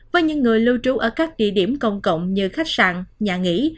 với những người lưu trú ở các địa điểm công cộng như khách sạn nhà nghỉ